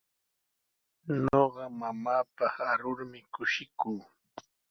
Ñuqa mamaapaq arurmi kushikuu.